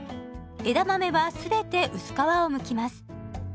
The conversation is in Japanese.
枝豆は全て薄皮をむきます。